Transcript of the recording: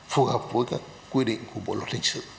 phù hợp với các quy định của bộ luật lịch sử